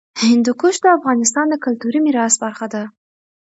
هندوکش د افغانستان د کلتوري میراث برخه ده.